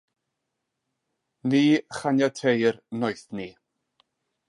Ni chaniateir noethni.